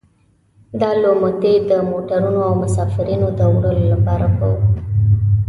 دا لوموتي د موټرونو او مسافرینو د وړلو لپاره وو.